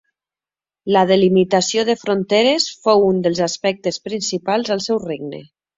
La delimitació de fronteres fou un dels aspectes principals del seu regne.